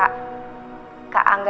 apasih jeneng sika